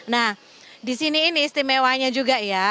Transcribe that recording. nah di sini ini istimewanya juga ya